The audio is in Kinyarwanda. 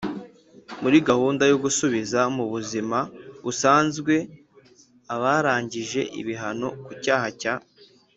Muri gahunda yo gusubiza mu buzima busanzwe abarangije ibihano ku cyaha cya